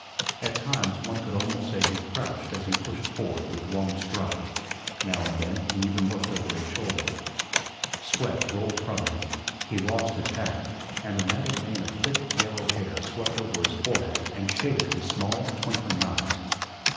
At times one could almost say he crouched as he pushed forward with long strides; now and then he even looked over his shoulder. Sweat rolled from him, he lost his hat, and the matted mane of thick yellow hair swept over his forehead and shaded his small, twinkling eyes.